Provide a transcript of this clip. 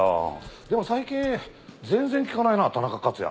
でも最近全然聞かないな田中克也。